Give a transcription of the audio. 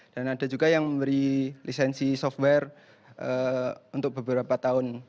dan ada juga yang memberi lisensi software untuk beberapa tahun